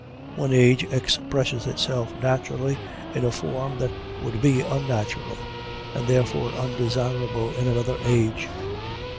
One age expresses itself naturally in a form that would be unnatural, and therefore undesirable, in another age.